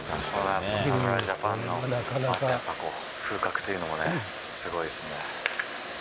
侍ジャパンの、やっぱ、風格というのもね、すごいですね。